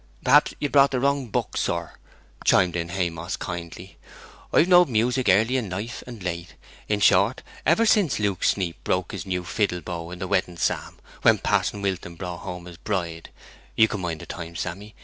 'Perhaps you've brought the wrong book, sir?' chimed in Haymoss, kindly. 'I've knowed music early in life and late, in short, ever since Luke Sneap broke his new fiddle bow in the wedding psalm, when Pa'son Wilton brought home his bride (you can mind the time, Sammy?